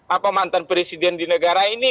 apa mantan presiden di negara ini